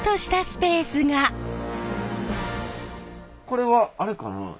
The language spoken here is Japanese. これはあれかな？